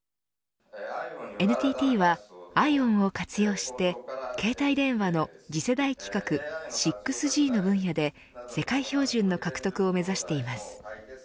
ＮＴＴはＩＯＷＮを活用して携帯電話の次世代規格６Ｇの分野で世界標準の獲得を目指しています。